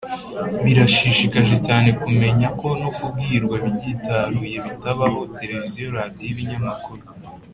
Birashishikaje cyane kumenya ko no ku birwa byitaruye bitabaho televiziyo radiyo ibinyamakuru